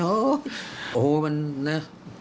โอ้โหมันนะ